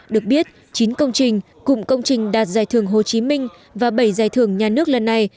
được biết chín công trình cụm công trình đạt giải thưởng hồ chí minh và bảy giải thưởng nhà nước lần này